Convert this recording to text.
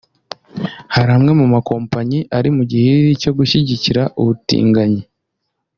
Hari amwe mu makompanyi ari mu gihiriri cyo gushyigikira ubutinganyi